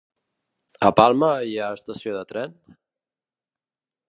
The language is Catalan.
A Palma hi ha estació de tren?